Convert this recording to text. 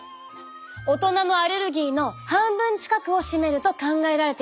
大人のアレルギーの半分近くを占めると考えられています。